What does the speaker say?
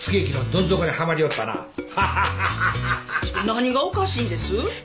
何がおかしいんです？